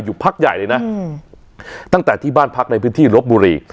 อยู่ภักดิ์ใหญ่เลยนะอืมตั้งแต่ที่บ้านพักในพืชที่ลบบุรีครับ